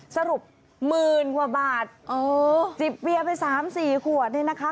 สรุปหมื่นกว่าบาทอ๋อจิบเบียร์ไปสามสี่ขวดเนี่ยนะคะ